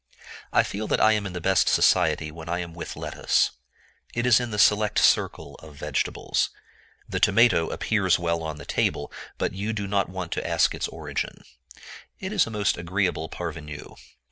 I feel that I am in the best society when I am with lettuce. It is in the select circle of vegetables. The tomato appears well on the table; but you do not want to ask its origin. It is a most agreeable parvenu.